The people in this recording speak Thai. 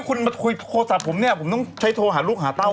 คุณมาคุยโทรศัพท์ผมเนี่ยผมต้องใช้โทรหาลูกหาเต้า